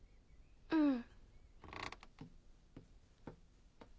うん。